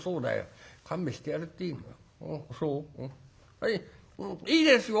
はいいいですよ。